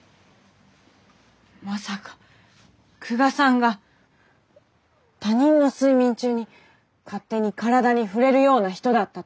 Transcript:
まさか久我さんが他人の睡眠中に勝手に体に触れるような人だったとは。